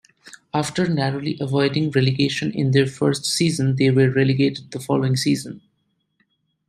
After narrowly avoiding relegation in their first season, they were relegated the following season.